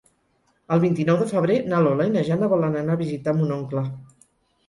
El vint-i-nou de febrer na Lola i na Jana volen anar a visitar mon oncle.